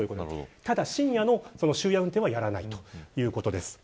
ただ深夜の終夜運転はやらないということです。